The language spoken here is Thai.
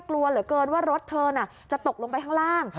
กลัวเหลือเกินว่ารถเธอน่ะจะตกลงไปข้างล่าง